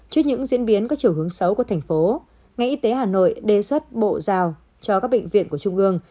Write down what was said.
trước những diễn biến có chiều hướng xấu của thành phố ngành y tế hà nội đề xuất bộ giao cho các bệnh viện của trung ương